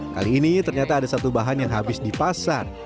kali ini ternyata ada satu bahan yang habis di pasar